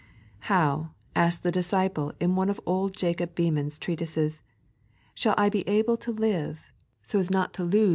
" How," asks the disciple in one of old Jacob Behmen's treatises, " shall I be able so to live « not to lose the 3.